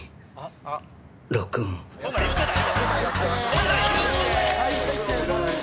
「そんなん言うてないわ」